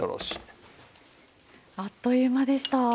あっという間でした。